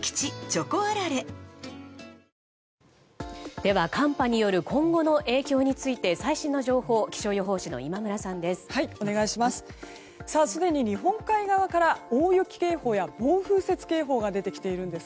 では、寒波による今後の影響について最新の情報気象予報士の今村さんです。